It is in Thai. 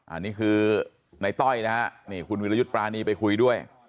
อันนี้คือในต้อยนะฮะนี่คุณวิรยุทธ์ปรานีไปคุยด้วย